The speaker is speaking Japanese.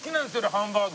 ハンバーグ。